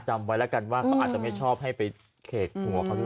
จำไว้ละกันว่าอาจจะไม่ชอบให้เขาเขียงหัว